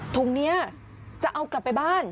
ถุงนี้จะเอากลับไปบ้าน